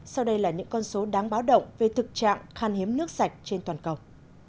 sau đây là những con số đáng báo động về thực trạng khăn hiếm nước sạch trên toàn cộng